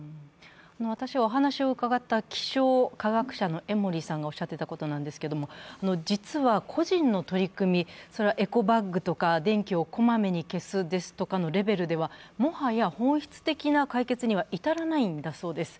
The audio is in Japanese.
私はお話を伺った気象科学者の江守さんがおっしゃっていたことなんですが、実は個人の取り組み、それはエコバッグとか、電気を小まめに消すとかのレベルでは、もはや本質的な解決には至らないんだそうです。